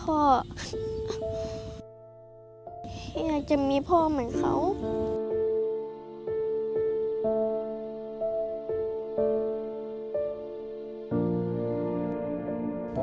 อยากจะมีพ่อเหมือนเขา